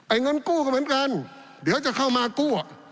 เงินกู้ก็เหมือนกันเดี๋ยวจะเข้ามากู้